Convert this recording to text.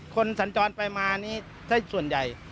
สัญจรไปมานี้ส่วนใหญ่